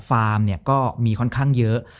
ฟาร์มก็มีค่อนข้างเยอะ